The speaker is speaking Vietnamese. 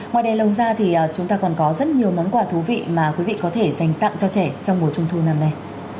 ngoài đèn lồng ra thì chúng ta còn có rất nhiều món quà thú vị mà quý vị có thể dành tặng cho trẻ trong mùa trung thu năm nay